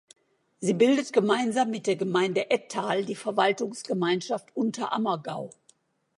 Sie bildet gemeinsam mit der Gemeinde Ettal die Verwaltungsgemeinschaft Unterammergau.